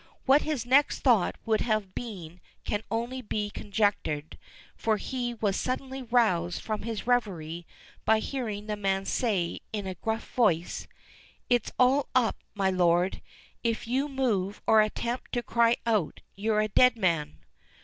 What his next thought would have been can only be conjectured, for he was suddenly roused from his reverie by hearing the man say in a gruff voice: "it's all up, my lord. If you move or attempt to cry out, you're a dead man!"